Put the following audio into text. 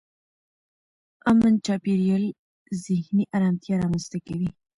امن چاپېریال ذهني ارامتیا رامنځته کوي.